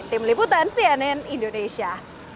tim liputan cnn indonesia